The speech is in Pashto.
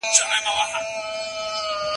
د ټولني ملاتړ د ټولو دنده ده.